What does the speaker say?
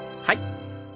はい。